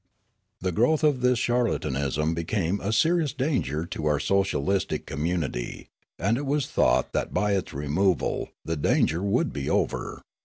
" The growth of this charlatanism became a serious danger to our socialistic communit}', and it was thought that by its removal the danger would be over.